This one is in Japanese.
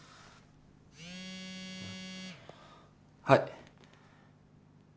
はい。